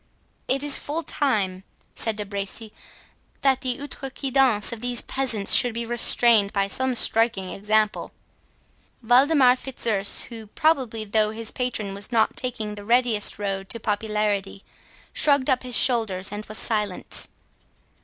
"It is full time," said De Bracy, "that the 'outrecuidance' 19 of these peasants should be restrained by some striking example." Waldemar Fitzurse, who probably thought his patron was not taking the readiest road to popularity, shrugged up his shoulders and was silent.